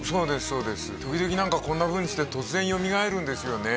そうです時々何かこんなふうにして突然よみがえるんですよね